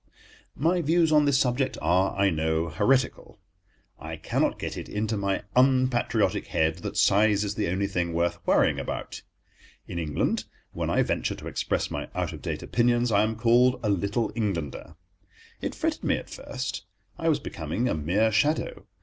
My views on this subject are, I know, heretical. I cannot get it into my unpatriotic head that size is the only thing worth worrying about. In England, when I venture to express my out of date opinions, I am called a Little Englander. It fretted me at first; I was becoming a mere shadow.